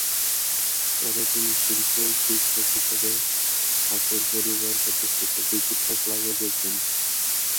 পরে তিনি শিল্প-শিক্ষক হিসাবে ঠাকুর পরিবার প্রতিষ্ঠিত ""বিচিত্রা ক্লাবে"" যোগ দেন।